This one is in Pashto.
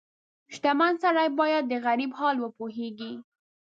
• شتمن سړی باید د غریب حال وپوهيږي.